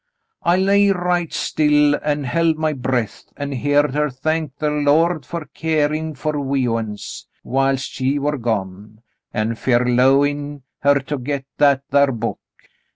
I lay right still an' held my breath, an' heered her thank the Lord fer keerin' fer we uns whilst she war gone, an' fer 'lowin' her to get that thar book.